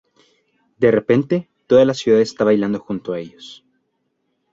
De repente, toda la ciudad está bailando junto con ellos.